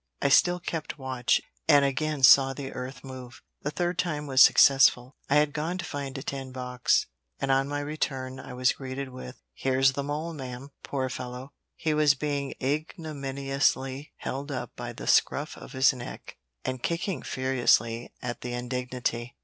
I still kept watch, and again saw the earth move the third time was successful. I had gone to find a tin box, and on my return I was greeted with "Here's the mole, ma'am!" Poor fellow! he was being ignominiously held up by the scruff of his neck, and kicking furiously at the indignity.